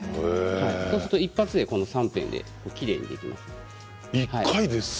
そうすると一発で３辺できれいにできます。